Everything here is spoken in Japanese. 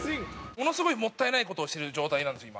ものすごいもったいない事をしてる状態なんですよ